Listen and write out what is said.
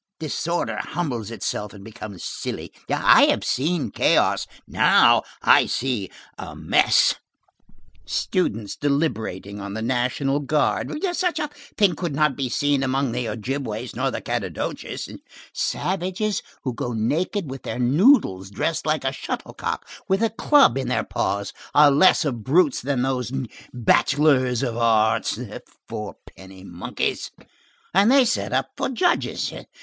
Disorder humbles itself and becomes silly. I have seen chaos, I now see a mess. Students deliberating on the National Guard,—such a thing could not be seen among the Ogibewas nor the Cadodaches! Savages who go naked, with their noddles dressed like a shuttlecock, with a club in their paws, are less of brutes than those bachelors of arts! The four penny monkeys! And they set up for judges!